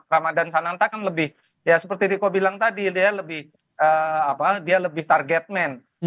ramadhan sananta kan lebih ya seperti diko bilang tadi dia lebih target man